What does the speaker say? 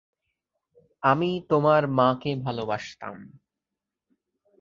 আমি তোমার মাকে ভালবাসতাম।